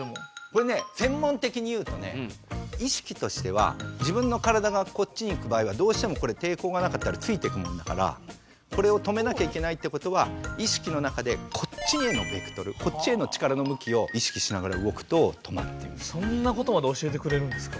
これね専門的にいうとね意識としては自分の体がこっちにいく場合はどうしてもこれ抵抗がなかったらついてくもんだからこれを止めなきゃいけないってことは意識の中でこっちへのベクトルこっちへの力の向きを意識しながら動くと止まって。